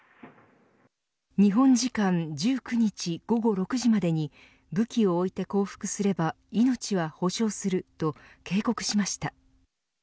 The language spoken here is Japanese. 日本時間１９日午後６時までに武器を置いて降伏すれば命は保証すると警告しました。